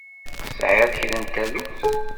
Tesɛiḍ kra n taluft?